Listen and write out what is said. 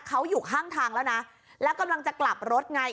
เขาอยู่ข้างทางแล้วนะแล้วกำลังจะกลับรถไง